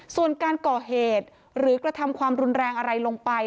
ส่วนการก่อเหตุหรือกระทำความรุนแรงอะไรลงไป